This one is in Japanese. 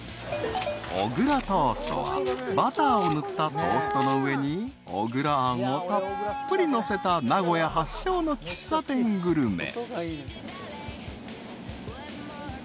［小倉トーストはバターを塗ったトーストの上に小倉あんをたっぷりのせた名古屋発祥の喫茶店グルメ］